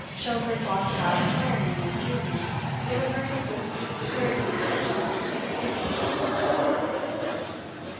Schomberg walked about swearing and fuming for the purpose of screwing his courage up to the sticking point.